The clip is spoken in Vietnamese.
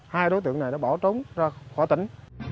hai đối tượng này đã bỏ trốn ra khỏi tỉnh